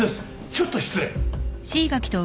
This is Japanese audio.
ちょっと失礼。